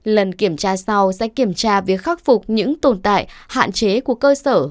lần kiểm tra sau sẽ kiểm tra việc khắc phục những tồn tại hạn chế của cơ sở